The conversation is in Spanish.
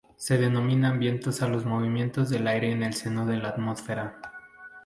Se denominan vientos a los movimientos del aire en el seno de la atmósfera.